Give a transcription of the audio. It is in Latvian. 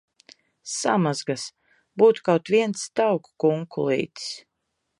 Samazgas! Būtu kaut viens tauku kunkulītis!